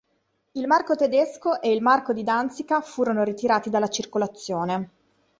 Il marco tedesco e il marco di Danzica furono ritirati dalla circolazione.